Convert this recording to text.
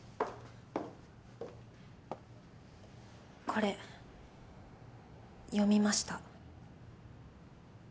これ読みました。